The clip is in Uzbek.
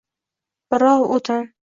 Birov o’tin